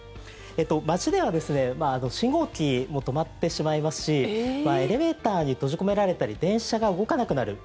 街では信号機も止まってしまいますしエレベーターに閉じ込められたり電車が動かなくなる。